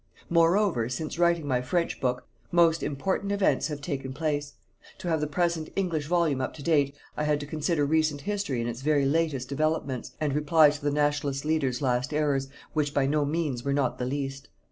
Moreover, since writing my French book, most important events have taken place. To have the present English volume up to date, I had to consider recent history in its very latest developments, and reply to the Nationalist leader's last errors, which by no means were not the least.